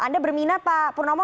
anda berminat pak purnomo